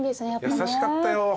優しかったよ。